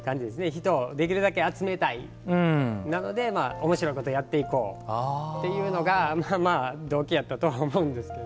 人をできるだけ集めたいおもしろいことをやっていこうというのがまあまあ動機やったとは思うんですけど。